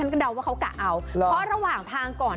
ก็เดาว่าเขากะเอาเพราะระหว่างทางก่อน